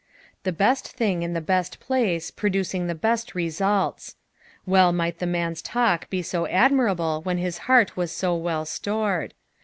The best thing in the best place, producing the best results. Well might the man'a talk be so admirable when his heart was so well stored.